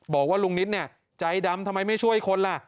บอกว่าลุงนิดเนี่ยใจดำทำไมไม่ช่วยคนล่ะ